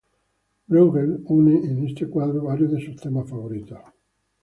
Brueghel une en este cuadro varios de sus temas favoritos.